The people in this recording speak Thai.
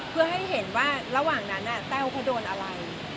เพื่อให้เห็นระหว่างนั้นเต้าก็โดนอะไร